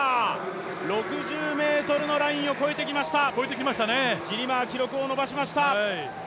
６０ｍのラインを越えてきました、ジリマ、記録を伸ばしました。